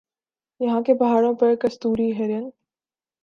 یہاں کے پہاڑوں پر کستوری ہرن